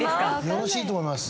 よろしいと思います。